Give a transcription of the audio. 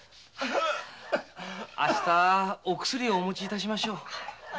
明日お薬をお持ちしましょう。